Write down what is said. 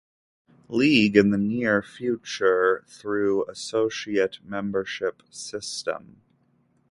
League in the near future through associate membership system.